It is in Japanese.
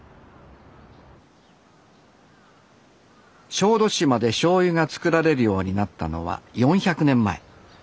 小豆島でしょうゆが造られるようになったのは４００年前。